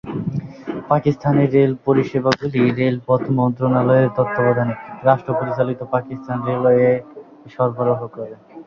পাকিস্তানে রেল পরিষেবাগুলি রেলপথ মন্ত্রনালয়ের তত্ত্বাবধানে, রাষ্ট্র পরিচালিত পাকিস্তান রেলওয়ে সরবরাহ করে।